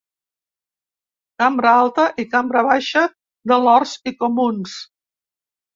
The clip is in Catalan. Cambra alta i Cambra baixa de Lords i Comuns